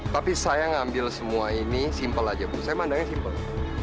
tapi saya ngambil semua ini simpel aja bu saya mandangnya simpel